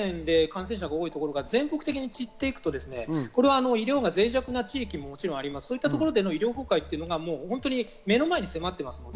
首都圏で感染者が多いところが全国的に散っていくと医療が脆弱な地域ももちろんあるので、そういうところでの医療崩壊が目の前に迫っています。